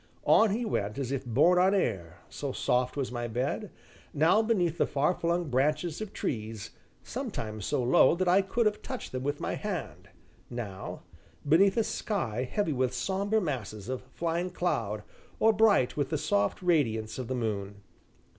On we went as if borne on air, so soft was my bed, now beneath the far flung branches of trees, sometimes so low that I could have touched them with my hand, now, beneath a sky heavy with sombre masses of flying cloud or bright with the soft radiance of the moon.